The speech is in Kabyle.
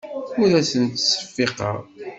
Ur asent-ttseffiqeɣ.